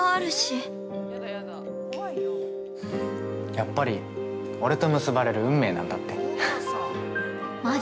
やっぱり俺と結ばれる運命なんだって。